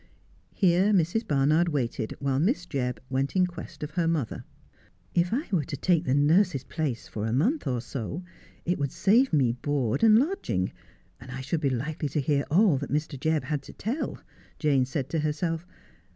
Here Mrs. Barnard waited while Miss Jebb went in quest of her mother. ' If I were to take the nurse's place for a month or so it would save me board and lodging, and I should be likely to hear all that Mr. Jebb had to tell,' Jane said to herself.